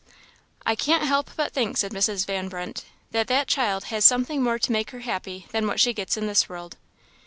"I can't help but think," said Mrs. Van Brunt, "that that child has something more to make her happy that what she gets in this world."